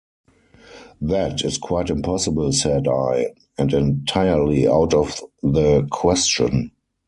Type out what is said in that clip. "That is quite impossible," said I, "and entirely out of the question."